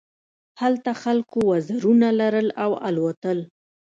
هلته خلکو وزرونه لرل او الوتل.